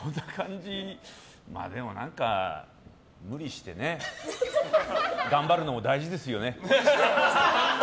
まあでも何か無理してね頑張るのも大事ですよね。